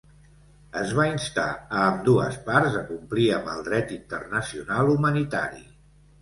Es va instar a ambdues parts a complir amb el dret internacional humanitari.